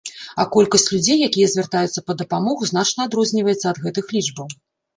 А колькасць людзей, якія звяртаюцца па дапамогу, значна адрозніваецца ад гэтых лічбаў.